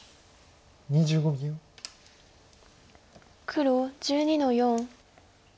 黒１２の四。